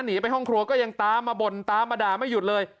หนีไปห้องครัวก็ยังตามมาบ่นตามมาด่าไม่หยุดเลย